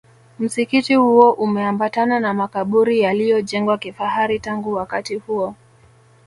Msikiti huo umeambatana na makaburi yaliyojengwa kifahari tangu wakati huo